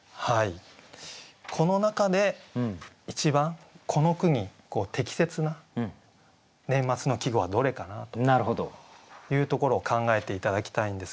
この中で一番この句に適切な年末の季語はどれかなというところを考えて頂きたいんですがいかがですか？